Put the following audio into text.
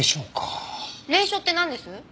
隷書ってなんです？